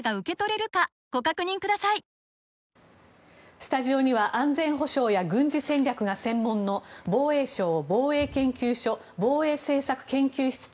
スタジオには安全保障や軍事戦略が専門の防衛省防衛研究所防衛政策研究室長